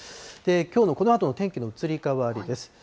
きょうのこのあとの天気の移り変わりです。